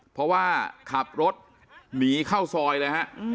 เพราะว่าขับรถหนีเข้าซอยเลยฮะ